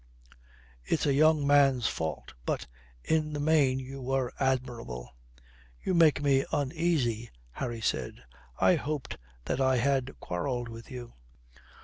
It's a young man's fault. But in the main you were admirable." "You make me uneasy," Harry said. "I hoped that I had quarrelled with you."